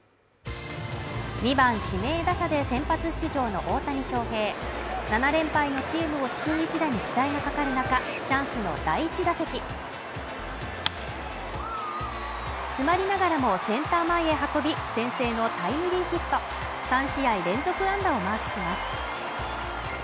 ２番指名打者で先発出場の大谷翔平７連敗のチームを救う一打に期待がかかる中チャンスの第１打席詰まりながらもセンター前へ運び先制のタイムリーヒット３試合連続安打をマークします